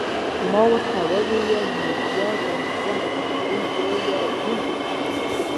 ما ورته وویل: نو بیا درځه، له دې ځایه ځو.